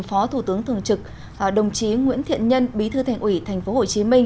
phó thủ tướng thường trực đồng chí nguyễn thiện nhân bí thư thành ủy tp hcm